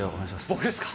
僕ですか？